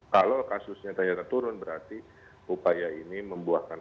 kalau kasusnya ternyata turun berarti upaya ini membuahkan